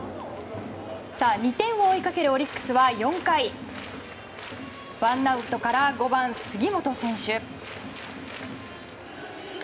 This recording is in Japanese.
２点を追いかけるオリックスは４回ワンアウトから５番、杉本選手。